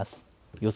予想